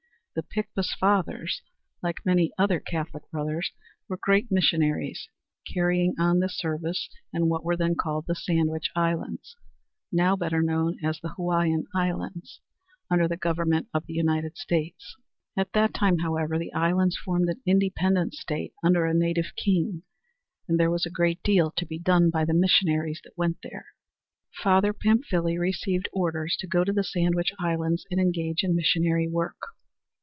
The Picpus Fathers, like many other Catholic brothers, were great missionaries, carrying on this service in what were then called the Sandwich Islands, now better known as the Hawaiian Islands, under the Government of the United States. At that time, however, the islands formed an independent state under a native king and there was a great deal to be done by the missionaries that went there. Father Pamphile received orders to go to the Sandwich Islands and engage in missionary work.